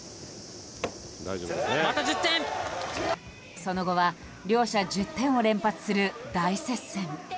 その後は両者１０点を連発する大接戦。